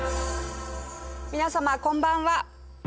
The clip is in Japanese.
皆様こんばんは。